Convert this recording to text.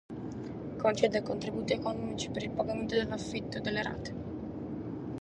Cuntzessione contributos econòmicos pro su pagamentu de su cànone de allogu e impitos domèsticos.